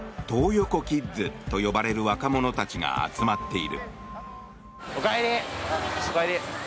横キッズと呼ばれる若者たちが集まっている。